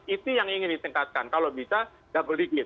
itu yang ingin ditingkatkan kalau bisa double digit